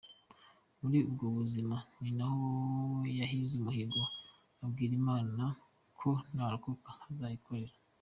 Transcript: Muri ubwo buzima, ni naho yahize umuhigo abwira Imana ko narokoka azayikorera.